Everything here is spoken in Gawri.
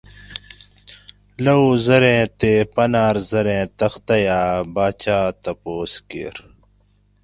لوؤ زریں تے پنر زریں خختی آۤ؟ باچاۤ تپوس کِیر